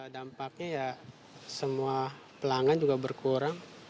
dampaknya ya semua pelanggan juga berkurang